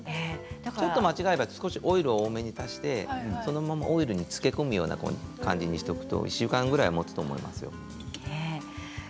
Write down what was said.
ちょっとオイルを多めに足してそのままオイルに漬け込むような感じにすると１週間ぐらい持つと思いますよ。